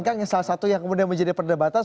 kang yang salah satu yang kemudian menjadi perdebatan